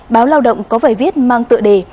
báo lao động có vài viết mang tựa đề